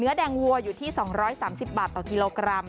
แดงวัวอยู่ที่๒๓๐บาทต่อกิโลกรัม